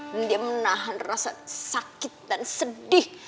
dan dia menahan rasa sakit dan sedih